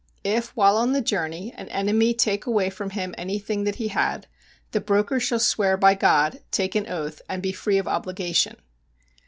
If, while on the journey, an enemy take away from him anything that he had, the broker shall swear by God [take an oath] and be free of obligation.